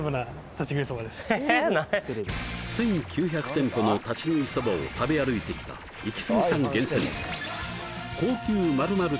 １９００店舗の立ち食いそばを食べ歩いてきたイキスギさん